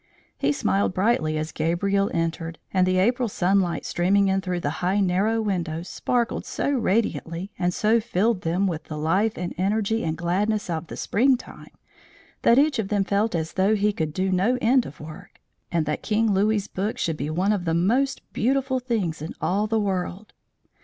He smiled brightly as Gabriel entered; and the April sunlight streaming in through the high narrow windows sparkled so radiantly, and so filled them with the life and energy and gladness of the spring time, that each of them felt as though he could do no end of work, and that King Louis's book should be one of the most beautiful things in all the world!